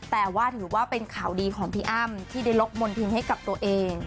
แต่ว่าถือว่าเป็นข่าวดีของพี่อ้ำที่ได้ลบมณฑินให้กับตัวเอง